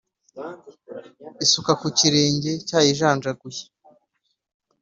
isuka ku kirenge cyayijanjaguye